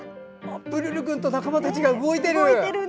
プルルくんと仲間たちが動いてる！